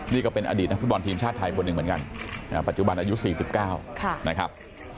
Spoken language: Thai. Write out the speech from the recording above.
นี่ก็เป็นอดีตนักฟุตบอลทีมชาติไทยคนหนึ่งเหมือนกันปัจจุบันอายุ๔๙นะครับ